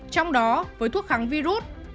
trong đó với thuốc kháng virus